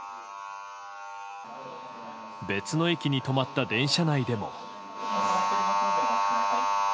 別の駅に止まった電車内でも。